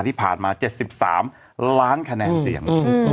ที่ผ่านมา๗๓ล้านคะแนนเสียง